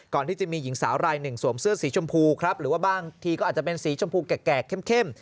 ก่อนที่จะมีหญิงสาวรายหนึ่งสวมเสื้อสีชมพูครับหรือว่าบางทีก็อาจจะเป็นสีชมพูแก่เข้ม